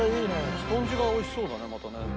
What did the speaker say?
スポンジがおいしそうだねまたね。